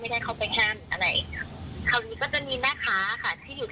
เราแค่เดินผ่านไป